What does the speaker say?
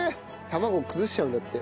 卵崩しちゃうんだって。